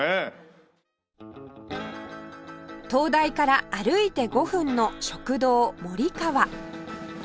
東大から歩いて５分の食堂もり川